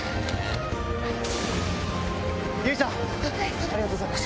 由衣さんありがとうございます。